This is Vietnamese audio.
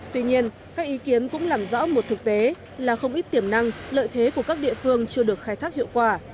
tuy nhiên các ý kiến cũng làm rõ một thực tế là không ít tiềm năng lợi thế của các địa phương chưa được khai thác hiệu quả